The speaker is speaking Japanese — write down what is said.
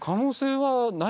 はい。